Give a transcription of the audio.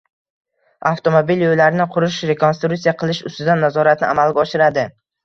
avtomobil yo‘llarini qurish, rekonstruksiya qilish ustidan nazoratni amalga oshiradi